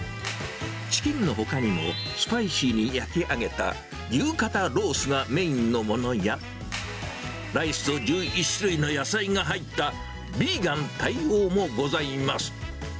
チキンのほかにもスパイシーに焼き上げた、牛肩ロースがメインのものや、ライスと１１種類の野菜が入った、ヴィーガン対応のものもございます。